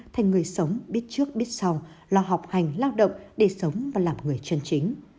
thành người sống biết trước biết sau lo học hành lao động để sống và làm người chân chính